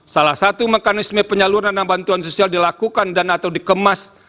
salah satu mekanisme penyaluran dana bantuan sosial dilakukan dan atau dikemas